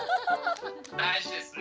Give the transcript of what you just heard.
大事ですね。